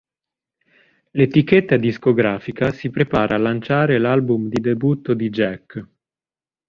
L'etichetta discografica si prepara a lanciare l'album di debutto di Jack.